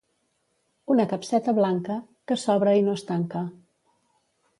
Una capseta blanca, que s'obre i no es tanca.